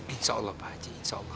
insya allah pak haji